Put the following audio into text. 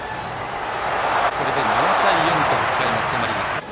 これで７対４と北海が迫ります。